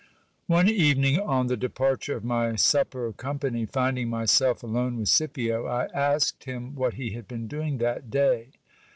One evening, on the departure of my supper company, finding myself alone with Scipio, I asked him what he had been doing that day.